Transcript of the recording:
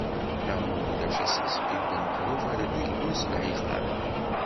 Neɣ ma ulac ad sen-sbibben ddnub ara d-iglun s lɛiqab.